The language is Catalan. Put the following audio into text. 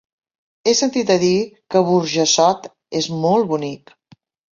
He sentit a dir que Burjassot és molt bonic.